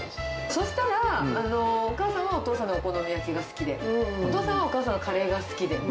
そしたら、お母さんはお父さんのお好み焼きが好きで、お父さんはお母さんのカレーが好きで。